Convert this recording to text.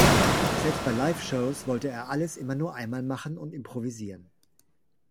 Selbst bei Liveshows wollte er alles immer nur einmal machen und improvisieren.